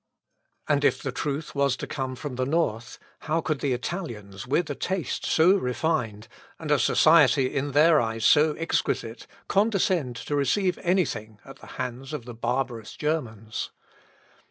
And if the truth was to come from the North, how could the Italians, with a taste so refined, and a society in their eyes so exquisite, condescend to receive any thing at the hands of barbarous Germans?